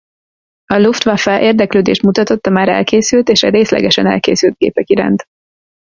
A Luftwaffe érdeklődést mutatott a már elkészült és a részlegesen elkészült gépek iránt.